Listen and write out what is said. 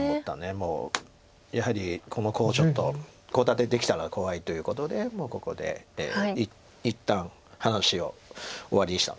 もうやはりこのコウをちょっとコウ立てできたら怖いということでもうここで一旦話を終わりにしたんですちょっと。